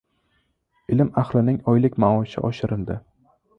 Ilm ahlining oylik maoshi oshirildi